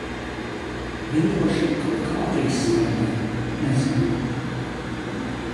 Vingrošana kaut kā arī stagnē. Nezinu...